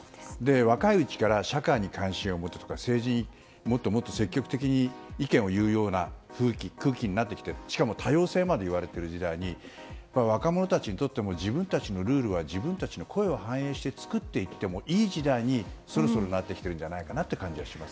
若いうちから社会に関心を持つとか政治に積極的に意見を言うような空気になってしかも多様性まで言われている時代に若者たちにとっても自分たちのルールは自分たちの声を反映して作ってもいい時代にそろそろなってきている気はします。